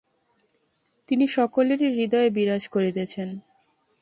তিনি সকলেরই হৃদয়ে বিরাজ করিতেছেন।